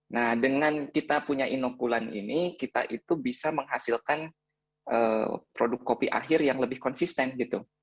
nah dengan kita punya inokulan ini kita itu bisa menghasilkan produk kopi akhir yang lebih konsisten gitu